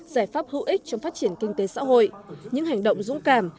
giải pháp hữu ích trong phát triển kinh tế xã hội những hành động dũng cảm